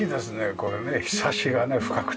これねひさしがね深くて。